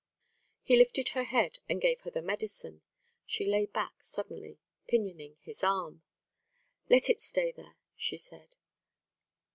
He lifted her head, and gave her the medicine. She lay back suddenly, pinioning his arm. "Let it stay there," she said.